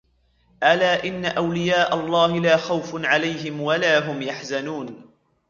أَلَا إِنَّ أَوْلِيَاءَ اللَّهِ لَا خَوْفٌ عَلَيْهِمْ وَلَا هُمْ يَحْزَنُونَ